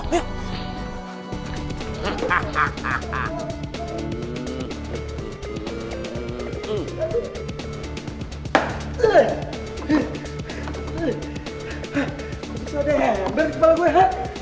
gak bisa deh ember di kepala gue